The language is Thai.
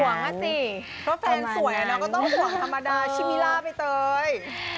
เพราะว่าแฟนสวยอ่ะเนอะก็ต้องห่วงธรรมดาชิมิล่าไปเตย